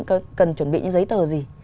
cần chuẩn bị những giấy tờ gì